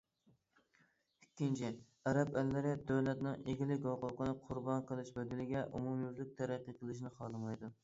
ئىككىنچى، ئەرەب ئەللىرى دۆلەتنىڭ ئىگىلىك ھوقۇقىنى قۇربان قىلىش بەدىلىگە ئومۇميۈزلۈك تەرەققىي قىلىشنى خالىمايدۇ.